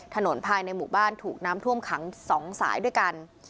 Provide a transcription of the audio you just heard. ถนนภายในหมู่บ้านถูกน้ำท่วมขัง๒สายด้วยกัน